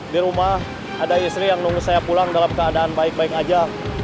di rumah ada istri yang nunggu saya pulang dalam keadaan baik baik aja